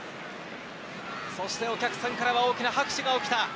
そしてお客さんからは大きな拍手が起きた。